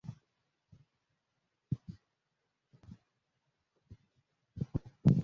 Omubbi akubba entuulirizi n’etekutuulirira.